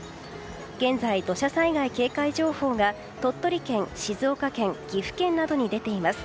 現在、土砂災害警戒情報が鳥取県、静岡県岐阜県などに出ています。